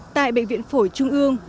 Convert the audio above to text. tại bệnh viện phổi trung ương